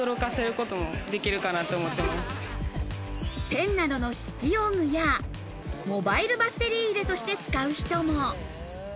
ペンなどの筆記用具やモバイルバッテリー入れとして使う人も。